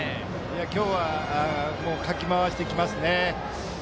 今日はかき回してきますね。